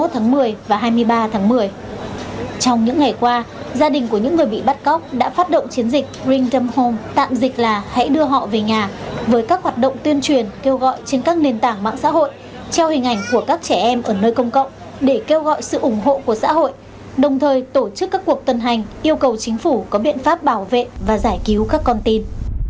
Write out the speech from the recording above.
trong những ngày qua gia đình của những người bị bắt cóc đã phát động chiến dịch bring them home tạm dịch là hãy đưa họ về nhà với các hoạt động tuyên truyền kêu gọi trên các nền tảng mạng xã hội treo hình ảnh của các trẻ em ở nơi công cộng để kêu gọi sự ủng hộ của xã hội đồng thời tổ chức các cuộc tuần hành yêu cầu chính phủ có biện pháp bảo vệ và giải cứu các con tin